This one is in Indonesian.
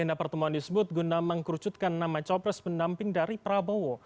agenda pertemuan disebut guna mengkerucutkan nama capres pendamping dari prabowo